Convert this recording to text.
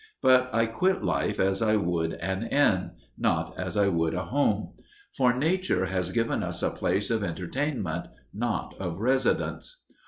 But I quit life as I would an inn, not as I would a home. For nature has given us a place of entertainment, not of residence.